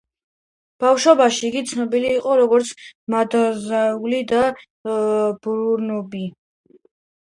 ბავშვობაში იგი ცნობილი იყო როგორც მადმუაზელ დე ბურბონი.